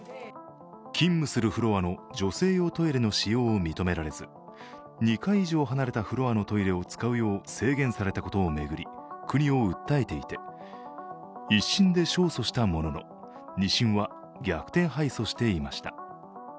勤務するフロアの女性用トイレの使用を認められず２階以上離れたフロアのトイレを使うよう制限されたことを巡り国を訴えていて、１審で勝訴したものの、２審は逆転敗訴していました。